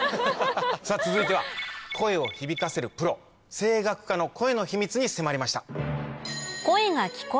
さぁ続いては声を響かせるプロ声楽家の声の秘密に迫りました。